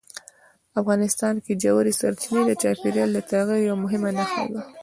افغانستان کې ژورې سرچینې د چاپېریال د تغیر یوه مهمه نښه ده.